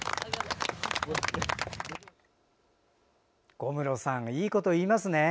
小室さんいいこと言いますね。